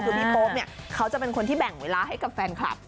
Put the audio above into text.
คือพี่โป๊ปเนี่ยเขาจะเป็นคนที่แบ่งเวลาให้กับแฟนคลับ